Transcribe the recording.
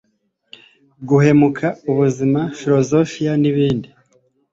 guhumeka, ubuzima, filozofiya, nibindi